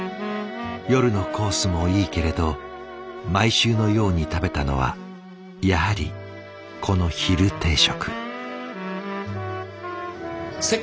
夜のコースもいいけれど毎週のように食べたのはやはりこの昼定食。